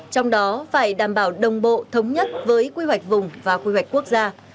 trong đó phải đảm bảo đồng bộ thống nhất với quy hoạch vùng và quy hoạch quốc gia